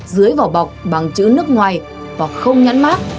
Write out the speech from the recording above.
dưới vỏ bọc bằng chữ nước ngoài và không nhãn mát